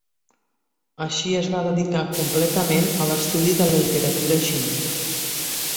Així es va dedicar completament a l'estudi de la literatura xinesa.